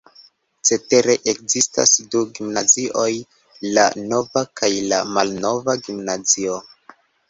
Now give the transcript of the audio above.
Cetere ekzistas du gimnazioj: La nova kaj la malnova gimnazio.